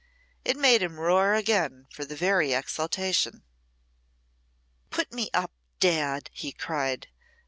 It made him roar again for very exultation. "Put me up, Dad!" he cried.